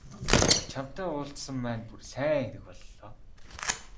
За чамтай уулзсан маань бүр сайн хэрэг боллоо.